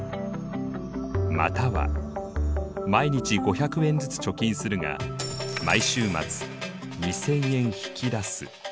または毎日５００円ずつ貯金するが毎週末２０００円引き出す。